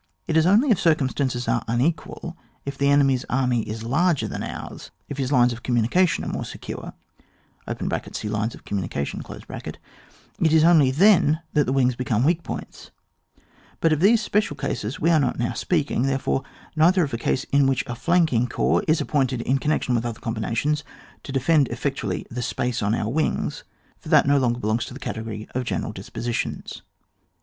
It is only if circumstances are unequid., if the enemy's army is ^ger than ours, if his lines of communication are more secure (see Lines of Oommunication), it is only then that the wings become weak parts ; but of these special cases we are not now speaking, therefore, neither of a case in which a flanking corps is ap pointed in connection with other combi nations to defend effectually the space on our wings, for that no longer belongs to the category of general dispositions.